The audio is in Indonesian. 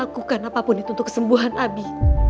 aku akan melakukan apa pun itu untuk kesembuhan abi